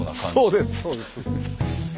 そうですそうです。